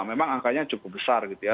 memang angkanya cukup besar gitu ya